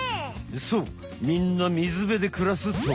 そうみんな水辺で暮らす鳥。